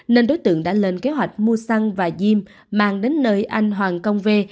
nên đối tượng đã lên kế hoạch mua xăng và diêm mang đến nơi anh hoàng công v